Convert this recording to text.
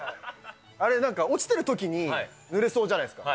あれ、なんか落ちてるときにぬれそうじゃないですか。